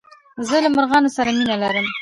زه له مرغانو سره مينه لرم.